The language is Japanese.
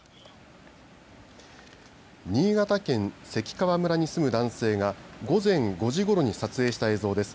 新潟県関川村に住む男性が午前５時ごろに撮影した映像です。